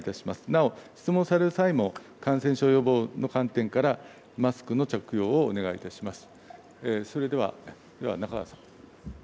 なお質問される際も、感染症予防の観点から、マスクの着用をお願いいたします。